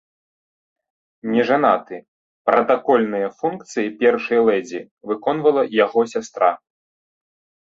Нежанаты, пратакольныя функцыі першай лэдзі выконвала яго сястра.